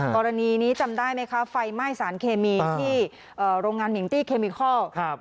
กรณีนี้จำได้ไหมคะไฟไหม้สารเคมีที่โรงงานมิงตี้เคมิคอล